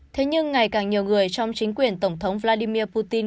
thế nhưng ngày càng nhiều người trong chính quyền tổng thống vladimir putin